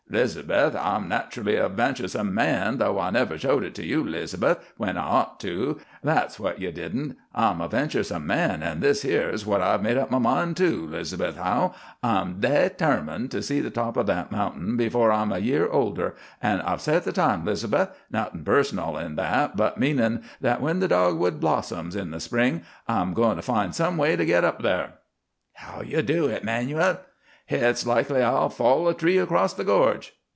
'Liz'beth, I'm nat'rally a venturesome man, though I never showed it to you, 'Liz'beth, when I ought to. That's what ye didn't. I'm a venturesome man; an' this here is what I've made up my mind to, 'Liz'beth Hough. I'm detarmined to see the top o' that mounting afore I'm a year older; an' I've set the time, 'Liz'beth nothin' personal in that, but meanin' that when the dogwood blossoms in the spring I'm goin' to find some way to git up thar. How'll ye do hit, 'Manuel? Hit's likely I'll fall a tree across the gorge.